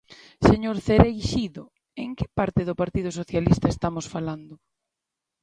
Señor Cereixido, ¿en que parte do Partido Socialista estamos falando?